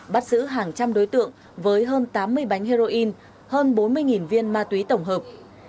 bắt giữ hàng trăm đối tượng với hơn tám mươi bánh heroin hơn bốn mươi viên ma túy tổng hợp